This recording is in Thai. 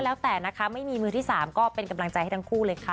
แล้วแต่นะคะไม่มีมือที่๓ก็เป็นกำลังใจให้ทั้งคู่เลยค่ะ